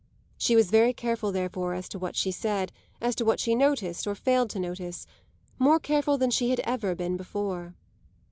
She was very careful therefore as to what she said, as to what she noticed or failed to notice; more careful than she had ever been before.